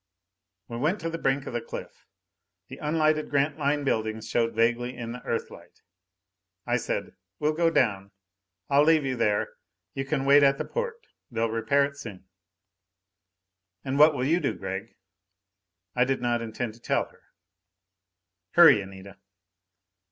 We went to the brink of the cliff. The unlighted Grantline buildings showed vaguely in the Earthlight. I said, "We'll go down. I'll leave you there. You can wait at the port. They'll repair it soon." "And what will you do, Gregg?" I did not intend to tell her. "Hurry, Anita!"